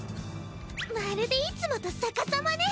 まるでいつもとさかさまね。